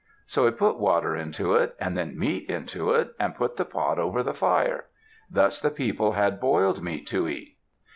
So he put water into it and then meat into it, and put the pot over the fire. Thus the people had boiled meat to eat.